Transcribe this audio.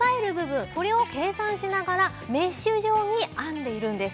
これを計算しながらメッシュ状に編んでいるんです。